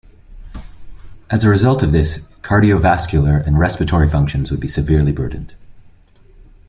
As a result of this, cardiovascular and respiratory functions would be severely burdened.